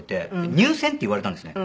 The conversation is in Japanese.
「入選」って言われたんですね。